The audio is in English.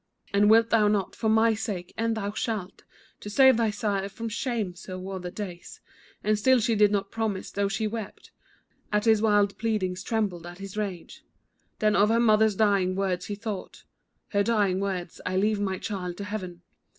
And "wilt thou not, for my sake?" and "thou shalt To save thy sire from shame!" so wore the days, And still she did not promise, though she wept At his wild pleadings, trembled at his rage; Then of her mother's dying words he thought Her dying words "I leave my child to Heaven."